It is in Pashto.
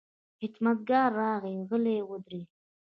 خدمتګار راغی، غلی ودرېد.